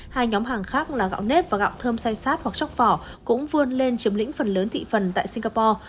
hai nhóm hàng khác là gạo nếp và gạo thơm say sát hoặc chóc vỏ cũng vươn lên chiếm lĩnh phần lớn thị phần tại singapore